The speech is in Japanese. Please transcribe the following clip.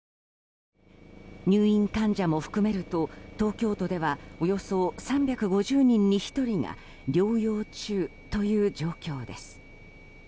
入院患者も含めると東京都ではおよそ３５０人に１人が療養中という状況です。